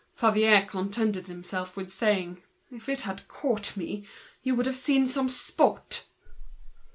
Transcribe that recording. Favier contented himself with saying: "If it had caught me, you would have seen some sport!"